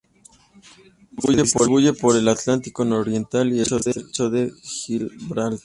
Se distribuye por el Atlántico nororiental y el estrecho de Gibraltar.